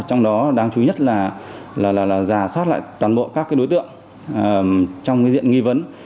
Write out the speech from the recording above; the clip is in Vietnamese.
trong đó đáng chú ý nhất là giả soát lại toàn bộ các đối tượng trong diện nghi vấn